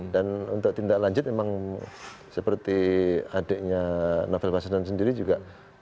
dan untuk tindak lanjut memang seperti adiknya novel baswedan sendiri juga